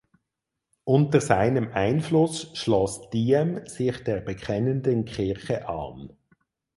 Unter seinem Einfluss schloss Diem sich der Bekennenden Kirche an.